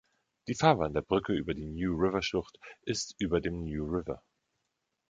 Die Fahrbahn der Brücke über die New-River-Schlucht ist über dem New River.